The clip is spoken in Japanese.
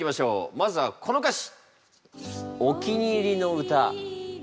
まずはこの歌詞。